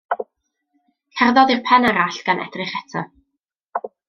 Cerddodd i'r pen arall, gan edrych eto.